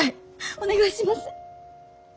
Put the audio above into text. お願いします。